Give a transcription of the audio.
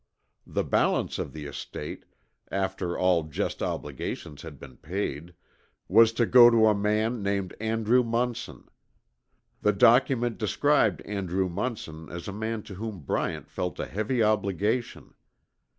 The balance of the estate, after all just obligations had been paid, was to go to a man named Andrew Munson. The document described Andrew Munson as a man to whom Bryant felt a heavy obligation.